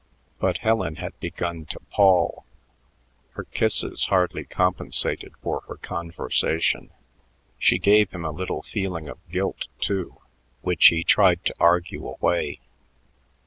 But Helen had begun to pall; her kisses hardly compensated for her conversation. She gave him a little feeling of guilt, too, which he tried to argue away.